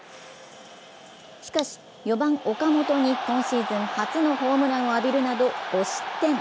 しかし、４番・岡本に今シーズン初のホームランを浴びるなど５失点。